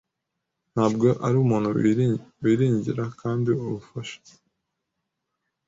Ntabwo ari umuntu wiringira abandi ubufasha.